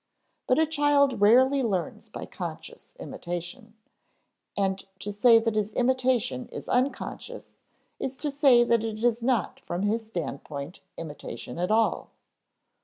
But a child rarely learns by conscious imitation; and to say that his imitation is unconscious is to say that it is not from his standpoint imitation at all.